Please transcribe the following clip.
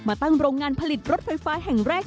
ตั้งโรงงานผลิตรถไฟฟ้าแห่งแรก